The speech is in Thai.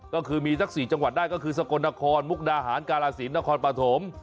ก็คือมีสัก๔จังหวัดได้ก็คือสกลนครมุกดาหารกาลสินนครปฐม